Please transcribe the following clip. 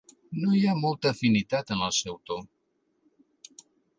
No hi ha molta afinitat en el seu to.